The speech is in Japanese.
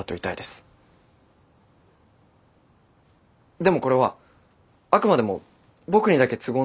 でもこれはあくまでも僕にだけ都合のいい仮プランです。